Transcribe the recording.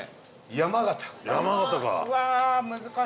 山形。